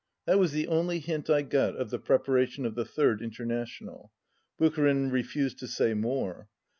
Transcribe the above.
That was the only hint I got of the preparation of the Third International. Bu charin refused to say more.